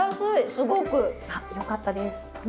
すごく。あっよかったです。